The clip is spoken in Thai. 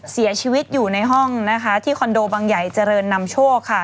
เสียชีวิตอยู่ในห้องนะคะที่คอนโดบังใหญ่เจริญนำโชคค่ะ